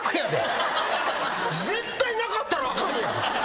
絶対なかったらあかんやん。